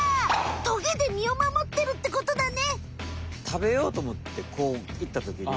トゲでみをまもってるってことだね！